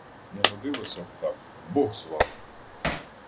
Не годилося б так, бог з вами!